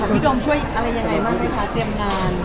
พี่โดมช่วยอะไรยังไงบ้างไหมคะเตรียมงาน